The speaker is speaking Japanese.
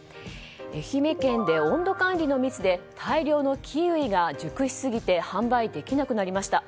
愛媛県で温度管理のミスで大量のキウイが熟しすぎて販売できなくなりました。